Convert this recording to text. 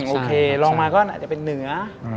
โอเคลองมาก็อาจจะเป็นเหนือ